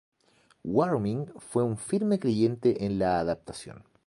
Warming fue un firme creyente en la adaptación.